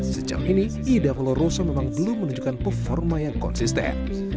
sejauh ini ida valoroso memang belum menunjukkan performa yang konsisten